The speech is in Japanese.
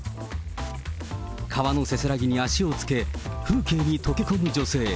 川のせせらぎに足をつけ、風景に溶け込む女性。